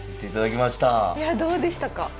いやどうでしたか？